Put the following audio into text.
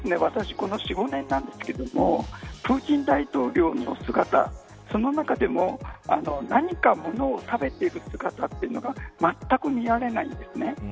私、この４、５年ですがプーチン大統領の姿、その中でも何か物を食べている姿というのがまったく見られないんですね。